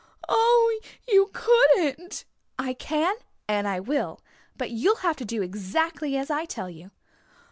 "Oh, you couldn't." "I can and I will. But you'll have to do exactly as I tell you."